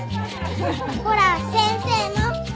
ほら先生も。